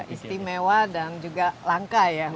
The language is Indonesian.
istimewa dan juga langka ya